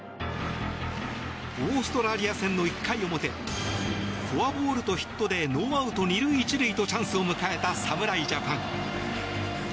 オーストラリア戦の１回表フォアボールとヒットでノーアウト２塁１塁とチャンスを迎えた侍ジャパン。